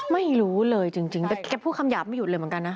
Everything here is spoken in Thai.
ไม่รู้เลยจริงแต่แกพูดคำหยาบไม่หยุดเลยเหมือนกันนะ